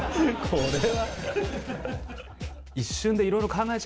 これは。